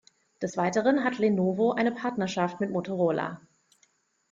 Des Weiteren hat Lenovo eine Partnerschaft mit Motorola.